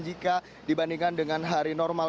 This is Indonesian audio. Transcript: jika dibandingkan dengan hari normal